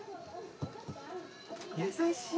優しい。